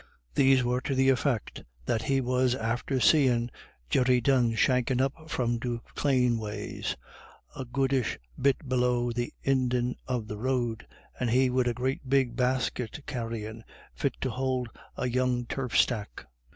These were to the effect that he was "after seein' Jerry Dunne shankin' up from Duffclane ways, a goodish bit below the indin' of the road, and he wid a great big basket carryin', fit to hould a young turf stack."